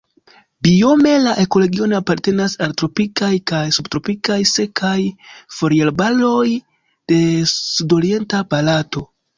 Biome la ekoregiono apartenas al tropikaj kaj subtropikaj sekaj foliarbaroj de sudorienta Barato.